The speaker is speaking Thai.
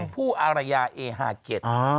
ชมพู่อารยาเอหาเก็ต